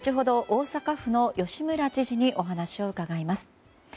大阪府の吉村知事にお話を伺います。